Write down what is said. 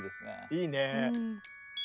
いいね。